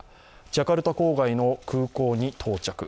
ジャカルタ郊外の空港に到着。